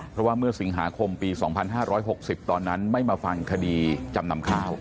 เพราะว่าเมื่อสิงหาคมปี๒๕๖๐ตอนนั้นไม่มาฟังคดีจำนำข้าว